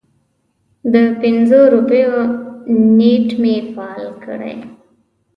د پنځو روپیو نیټ مې فعال کړی